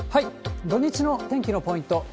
土日の天気のポイント。